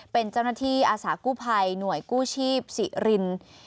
เป็นเจ้าหน้าที่อาสากู้ภัยหน่วยกู้ชีพศิริน